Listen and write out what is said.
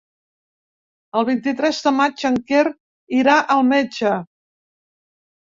El vint-i-tres de maig en Quer irà al metge.